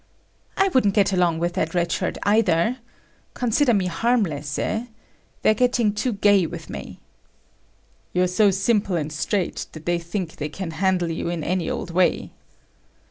"I wouldn't get along with that Red Shirt either. Consider me harmless, eh? They're getting too gay with me." "You're so simple and straight that they think they can handle you in any old way."